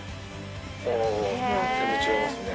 ああ全然違いますね。